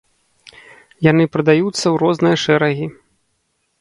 Яны прадаюцца ў розныя шэрагі.